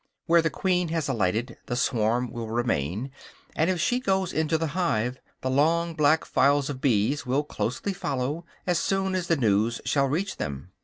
Where the queen has alighted the swarm will remain; and if she goes into the hive, the long black files of the bees will closely follow, as soon as the news shall reach them.